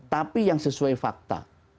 tapi yang sesuai fakta